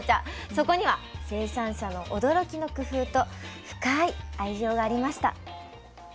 そこには生産者の驚きの工夫と深い愛情がありました。